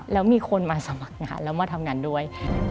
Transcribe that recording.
แล้วมีคนมาสมัครงานแล้วมาทำงานด้วย